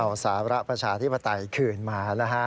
เอาสาระประชาธิปไตยคืนมานะฮะ